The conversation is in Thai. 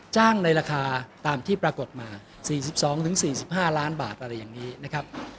ในราคาตามที่ปรากฏมา๔๒๔๕ล้านบาทอะไรอย่างนี้นะครับ